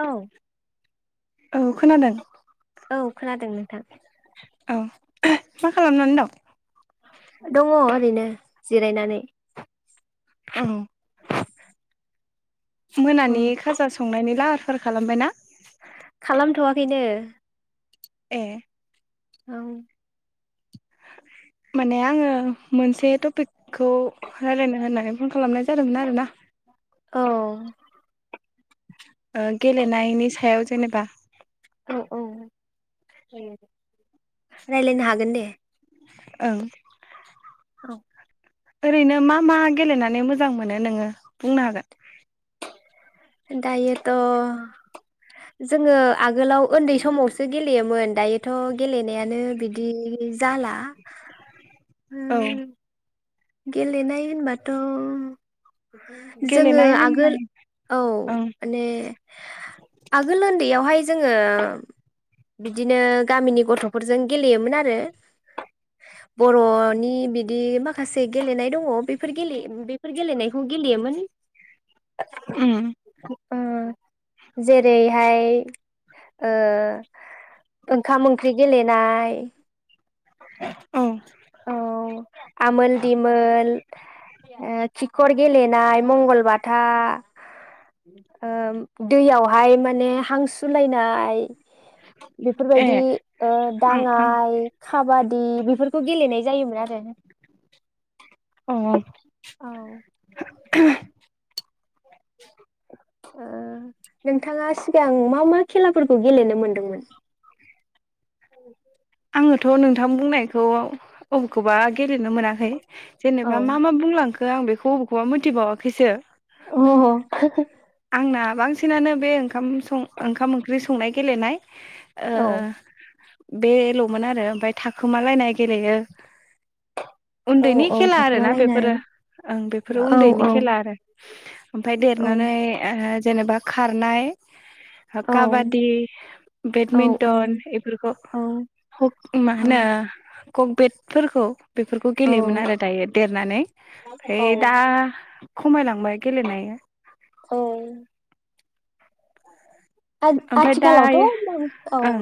औ औ खोनादों। औ खोनादों नोंथां। औ [unintelligible] मा खालामनानै दं? दङ ओरैनो जिरायनानै। ओम मोनानि खाजा संनायनि लाहार फाहार खालामबाय ना? बेनो ए औ माने आङो मोनसे टपिकखौ रायलायनो होननानै फन खालामनाय जादोंमोन आरोना औ ओ गेलेनायनि सायाव जेनेबा औ औ रायलायनो हागोन दे। ओं र' ओरैनो मा मा गेलेनानै मोजां मोनो नोङो बुंनो हागोन? दायोथ' जोङो आगोलाव उन्दै समावसो गेलेयोमोन दायोथ' गेलेनायानो बिदि जाला औ ओम गेलेनाय होनबाथ' जोङो गेलेनाय आगोल होननाय औ ओं माने आगोल उन्दैयावहाय जोङो बिदिनो गामिनि गथ'फोरजों गेलेयोमोन आरो बर'नि बिदि मा माखासे गेलेनाय दङ बेफोर गेले बेफोर गेलेनायखौ गेलेयोमोन। उम। ओ जेरैहाय ओ ओंखाम ओंख्रि गेलेनाय। [inaudible] औ। औ आमोल दिमोनोल ओ खिखर गेलेनाय मंगलबाथा ओ दैयावहाय माने हांसुलायनाय ए बेफोरबायदि ओ ओं दाङाय खाबादि बेफोर खौ गेलेनाय जायोमोन आरो। अ। औ ओ नोंथाङा सिगां मा मा खेलाफोरखौ गेलेनो मोनदोंमोन? आङोथ' नोंथां बुंनायखौ अबेखौबा गेलेनो मोनाखै। औ जेनेबा मा मा बुंलां खो आं बेखौ बबेखौबा मिथिबावाखैसो। अ। आंना बांसिनानो बे ओंखाम सं ओंखाम ओंख्रि संनाय गेलेनाय ओ। औ बेल'मोन आरो ओमफाय थाखोमालायनाय गेलेयो। औ उन्दैनि औ खेला आरो ना थाखोमालायनाय बेफोरो ओं बेफोरो औ उन्दैनि औ खेला आरो। ओमफाय औ देरनानै जेनेबा खारनाय औ काबादि औ बेडमिन्टन इफोरखौ औ हक मा होनो ककबेटफोरखौ बेफोरखौ औ गेलेयोमोन आरो दायो देरनानै ओमफ्राय दा खमायलांबाय गेलेनाया। औ ओमफ्राय आथिखालावथ' दायो औ। ओं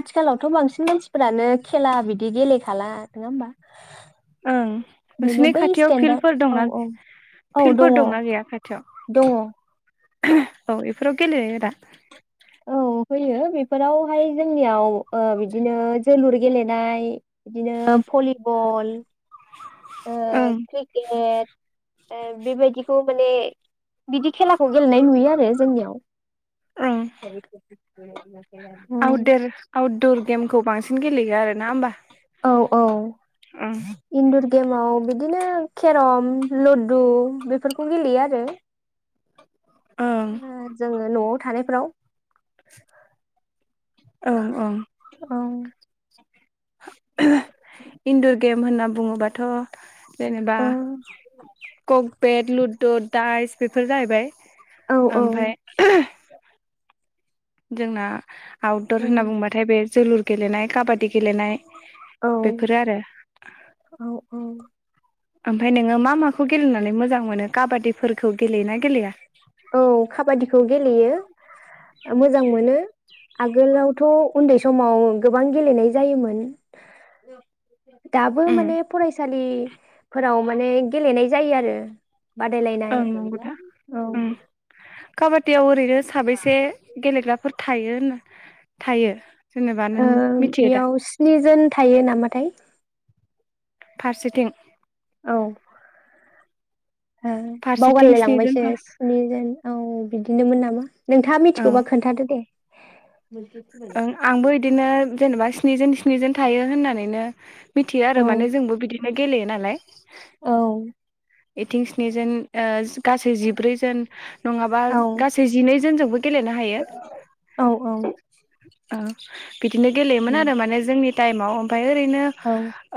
आथिखालावथ' बांसिन मानसिफोरानो खेला बिदि गेलेखाला नङा होमबा। ओं ओरैनो नोंसोनि बै खाथियाव स्टेन्डार्ड फिल्फोर औ दंना औ औ फिल्डफोर दङ दंना गैया खाथियाव? दङ औ बेफोराव गेलेयो दा। औ होयो बेफोरावहाय जोंनियाव ओ बिदिनो जोलुर गेलेनाय बिदिनो भलिबल ओ ओं क्रिकेट। ओ बेबायदिखौ माने बिदि खेलाखौ गेलेनाय नुयो आरो जोंनियाव। ओं [unintelligible] [inaudible] [unintelligible] गेलेयो आरो ना होमबा? औ औ ओं इन्दुर गेमाव। बिदिनो केरम लुडु बेफोरखौ गेलेयो आरो । ओ जोंङो न'अद थानायफ्राव। औ औ। औ इन्दुर गेम होनना बुंङोबाथ'। जेनेबा औ कक बेड लु द दाइस बेफोर जाहैबाय औ । ओमफाय । जोंना। आउटदर औ होनना बुंबाथाय बे जोलुर गेलेनाय काबादि गेलेनाय। औ बेफोरो आरो औ औ। ओमफाय नोंङो मा माखौ गेलेनानै मोजां मोनो काबादिफोरखौ गेलेयोना गेलेया? औ खाबादिखौ गेलेयो मोजां मोनो आगोलावथ' उन्दै समाव गोबां गेलेनाय जायोमोन दाबो माने ओं फरायसालिफोराव माने गेलेनाय जायो आरो । बादायलायनाय नंगौ दा औ ओं काबादियाव ओरैनो। साबैसे गेलेग्राफोर थायो होनना। थायो। जेनेबा नों ओ मिथियो दा बेयाव स्निजोन। थायो नामाथाय। फारसेथिं। औ। ओ फारसेथिं बावगारलाय स्निजोन लांबायसो स्निजोन औ। बिदिनोमोन नामा। नोंथांङा औ मिथिगौबा खोन्थादो दे । ओं आंबो इदिनो जेनेबा स्निजोन स्निजोन थायो होननानैनो। मिथियो औ आरो माने जोंबो बिदि गेलेयो नालाय। औ। इथिं स्नि जोन ओ गासै जिब्रैजोन नंङाबा औ गासै जिनै [unintelligible] गेलेनो हायो। औ औ ओ बिदिनो गेलेयोमोन औ आरो माने जोंनि टाइमाव ओमफाय ओरैनो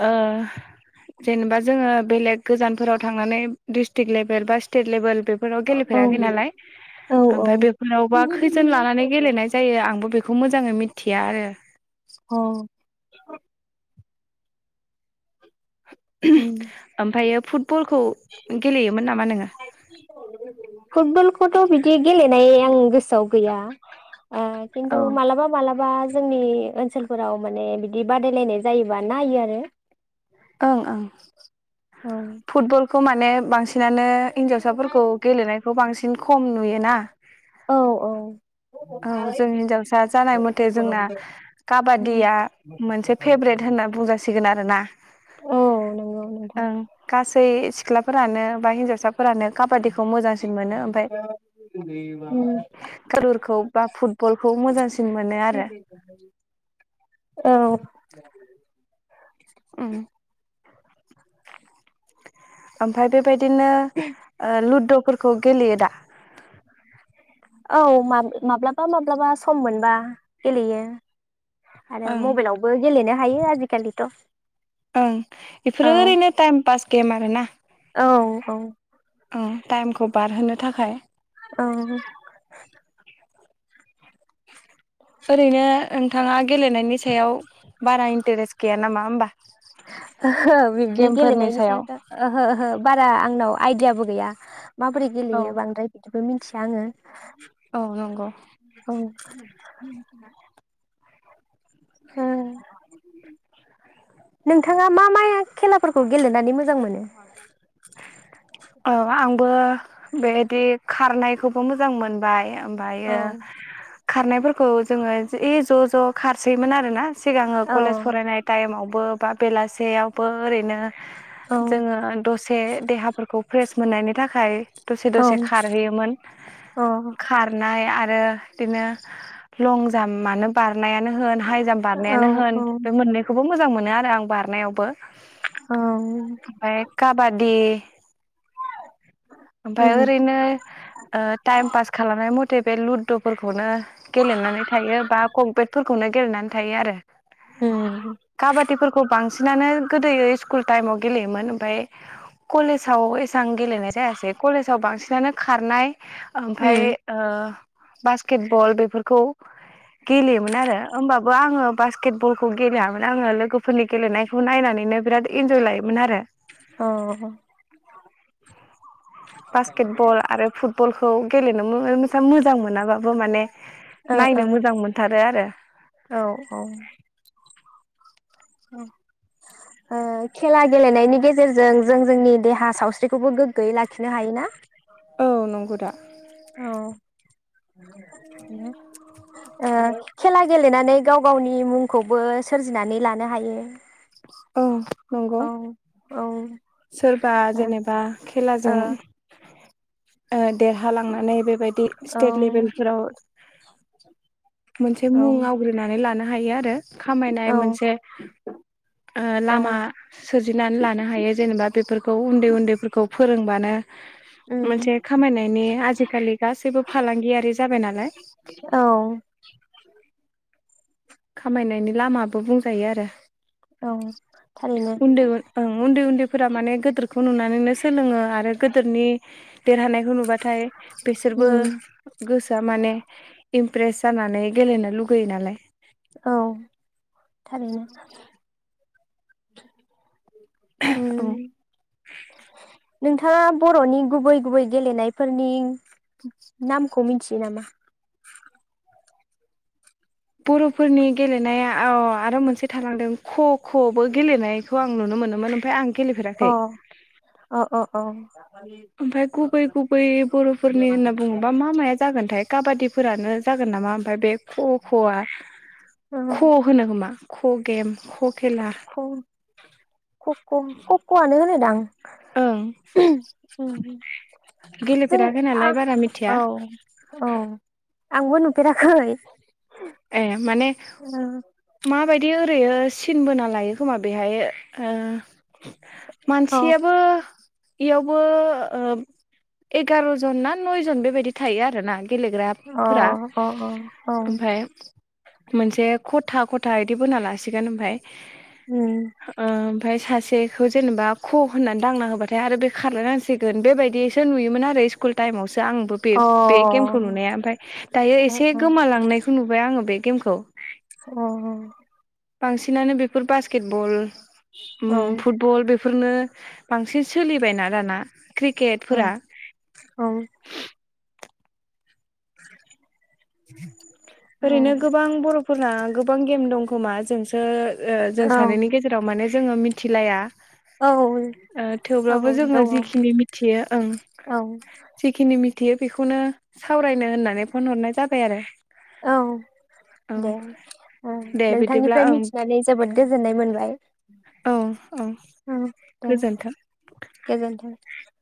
ओ जेनेबा जोङो बेलेग गोजानफोराव थांनानै डिस्ट्रिक लेभेल बा स्टेट लेभेल बेफोराव गेलेफेराखै औ नालाय औ ओमफ्राय बेफोरावबा खैजोन लानानै गेलेनाय जायो आंबो बे बेखौ मोजाङै मिथिया आरो औ उम ओमफ्रायो फुटबलखौ गेलेयोमोन नामा नोङो? फुटबलखौथ' बिदि गेलेनाय आं गोसो सौ गैया अ औ खनतु मालाबा मालाबा - जोंनि ओनसोलफोराव माने बिदि बादायलायनाय जायोबा नायो आरो ओं ओं औ फुटबलखौ माने बांसि नानो हिनजावसाफोरखौ गेलेनायखौ बांसि खम नुयोना औ औ औ जों हिनजावसा जानाय मथे जोंना औ काबादिया मोनसे फेभ्रेट होनना बुंजासिगोन आरोना औ नंगौ नोंथां ओं गासै सिख्लाफोरानो बाह हिनजावसा साफोरानो काबादिखौ मोजांसिन मोनो ओफाय उम कालुरखौ बा फुटबलखौ मोजांसिन मोनो आरो औ उम ओमफ्राय बेबायदिनो ओ लुदफोरखौ गेलेयो दा? औ मा-माब्लाबा माब्लाबा सम मोनबा गेलेयो। आरो ओं मबाइलावबो गेलेनो हायो आजिखालिथ' ओं बेफोरो औ ओरैनो टाइम पास गेम औ औ औ टाइमखौ बारहोनो थाखाय। औ ओरैनो नोंथाङा गेलेनायनि सायाव बारा इन्टारेस्ट गैया नामा होमबा? ओहो बिब्दि गेमफोरनि गेलेनायनि सायाव सायावथ ओहो ओहो बारा आंनाव आइदियाबो गैया। माबोरै औ गेलेयो बांद्राय बि बेबो मिथिया आङो। औ नंगौ औ। [unintelligible] उम नोंथाङा मा मा खेलाफोरखौ गेलेनानै मोजां मोनो । औ आंबो। बेयदि खारनायखौबो मोजां मोनबाय। औ ओमबायो। खारनायफोरखौ जोङो जि ज' ज' खारसोयोमोन आरो ना। सिगाङो औ कलेज फरायनाय टाइमावबो। बा बेलासेयावबो ओरैनो। नो औ जोंङो दसे दे दे‍हाफोरख खौ फ्रेस मोननायनि थाखाय दसे औ दसे खारहैयोमोन अ खारनाय आरो दिनो । लं जाम्प‌आनो बार नायानो होन हाइ जाम्प औ बारनायानो होन औ बे मोननैखौबो मोजां मोन नो आरो आं बारनायावबो। औ। मफाय काबादि। ओमफाय उम ओरैनो ओ टाइम पास खालामनाय मथ थे लुददुफोरखौनो गेलेनानै थायो बा कमफेकफोरखौनो गेलेनानै थायो आरो। उम काबादिफोरफोरखौ बां सिनानो गोदोयो इस्कुल टाइमाव गेलेयोमोन ओमफ्राय कलेजाव एसांं गेलेनाय जायासै दे कलेजाव बांसिनानो खारनाय। ओमफाय उम ओ। बास्केट बल बेफोरखौ गेलेयोमोन आरो ओमबाबो आङो बास्केट बलखौ गेलेयामोन आङो लोगोफोरनि गेलेनायखौ नायनानैनो बिराद इन्जय लायोमोन आरो। अ। बासकेट बल आरो फुटबलनि खौ गेलेनो मो मोजां मोनाबाबो माने। ओ नायनो मोजां मोनथारो आरो। औ औ ओ खेला गेलेनायनि गेजेरजों जों जोंनि देहा सावस्रिखौबो गोग्गोयै लाखिनो हायो ना। नंगौदा। अ ओ खेला गेल लेनानै गाव गावनि मुंखौबो सोरजिनानै लानो हायो। औ नंगौ औ औ ओ सोरबा जेनेबा औ खेलाजों। ओ। देरहालांनानै बेबायदि औ स्टेट लेभेलफोराव मोनसे मुं आवग्रिनानै लानो हायो आरो। खामायनाय मोनसे। ओ औ लामा सोरजिनानै लानो हायो जेनेबा बेफोरखौ उन्दै उन्दैफोरखौ फोरोंबानो। उम मोनसे खामायनायनि आजि खालि गासैबो फालांगियारि जाबाय नालाय। औ खामायनायनि लामाबो बुंजायो आरो। औ थारैनो उन्दै ओं उन्दै उन्दैफोरा माने गोदिरखौ नुनानैनो सोलोङो आरो गोदोरनि देरहानायखौ नुबा। नाथाय बिसोरबो उम गोसो दामाने इमप्रेस जानानै गेलेनो लुुबैयो नालाय। औ थारैनो। औ उम। नोंथाङा बर'नि गुबै गुबै गेलेनायफोरनि नामखौ मिथियो नामा? बर'फोरनि गेलेनाया। औ आरो मोनसे थालांदों। [inaudible] कबो बो गेलेनायखौ आं नुनो मोनोमोन ओमफाय आं गेलेफेराखै। अ अ अ। ओमफाय गुबै गुबै बर'फोरनि होनना बुङोबा मा माया जागोनथाय काबादिफोरानो जागोन नामा ओमफ्राय बे ख ख'आ ख होनो खोमा। ख' गेम ख' खेला खक' कक खक' आनो होनो दां। [inaudible] ओं जों गेलेफेराखै आ नालाय बारा मिथिया औ औ। आंबो नुफेराखै। ए माने औ माबायदि ओरैयो। सिन बोना लायो खोमा बेहाय ओ अ मानसियाबो। इयावबो ओ एगार' जन ना नयजन बेबायदि थायो आरो ना। अ गेलेग्राफोरा अ औ ओमफ्राय। मोनसे खथा खथा इदि बोना लासिगोन ओमफ्राय। उम अ ओमफ्राय सासे बेखौ जेनेबा ख' होननानै दांना होबाथाय आरो बे खारलायनांसिगोन बेबायदिसो नुयोमोन आरो स्कुल टाइमावसो आंबो बे अ ओ बे गेमखौ नुनाया ओमफ्राय दायो ओ एसे अ औ गोमालांनायखौ नु आङो बे गेमखौ। अ। बांसिनानो बेफोर बास्केट बल। औ ओम फुटबल बेफोरनो बांसिन सोलिबायना दाना औ क्रिकेटफोरा [inaudible] ओरैनो गोबां बर'फोरना गोबां गेम दं खोमा जोंसो ओ जों औ सानैनि गेजेराव माने जोङो मिथिलाया औ औ ओ दङ थेवब्लाबो जोङो जिखिनि मिथियो ओं औ जिखिनि मि मिथियो बेखौनो सावरायनो होननानै फन हरनाय जाद औ औ दे ओ दे बिदिब्ला नोंथांनिफ्राय ओं मिथिनानै जोबोद गोजोननाय मोनबाय औ औ ओम दे गोजोन्थों। गोजोनथों ।